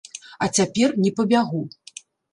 А цяпер не пабягу.